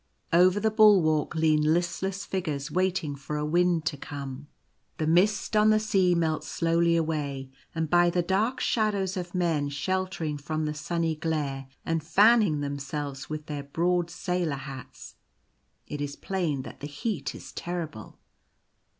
Over the bulwark lean listless figures waiting for a wind to come. The mist on the sea The Tempest. 85 melts slowly away ; and by the dark shadows of men sheltering from the sunny glare and fanning themselves with their broad sailor hats, it is plain that the heat is terrible.